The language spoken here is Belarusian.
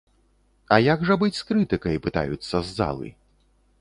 А як жа быць з крытыкай, пытаюцца з залы.